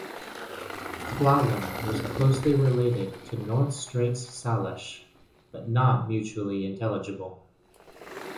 Klallam was closely related to North Straits Salish, but not mutually intelligible.